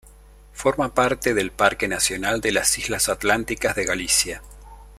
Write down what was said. Forma parte del Parque Nacional de las Islas Atlánticas de Galicia.